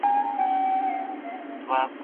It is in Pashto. انګلیسي زده کول د ماشومانو لپاره ډېر اړین دي.